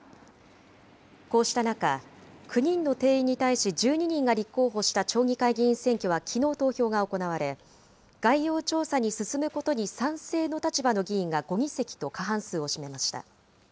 こうした中、９人の定員に対し１２人が立候補した町議会議員選挙はきのう投票が行われ、概要調査に進むことに賛成の立場の議員が５議席と過半数を占めました。